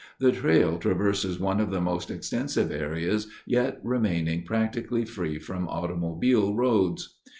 The trail traverses one of the most extensive areas yet remaining practically free from automobile roads.